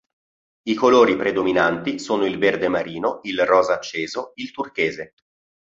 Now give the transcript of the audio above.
I colori predominanti sono il verde marino, il rosa acceso, il turchese.